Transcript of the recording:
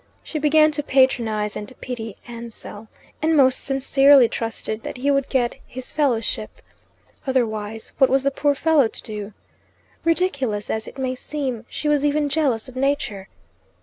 She began to patronize and pity Ansell, and most sincerely trusted that he would get his fellowship. Otherwise what was the poor fellow to do? Ridiculous as it may seem, she was even jealous of Nature.